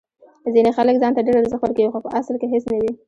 ځینې خلک ځان ته ډیر ارزښت ورکوي خو په اصل کې هیڅ نه وي.